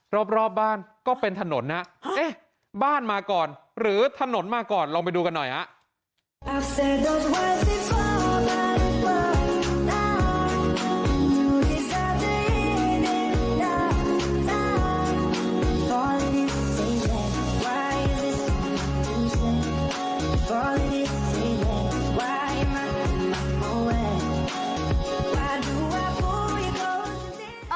รอบบ้านก็เป็นถนนนะเอ๊ะบ้านมาก่อนหรือถนนมาก่อนลองไปดูกันหน่อยฮะ